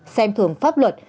xem thường pháp luật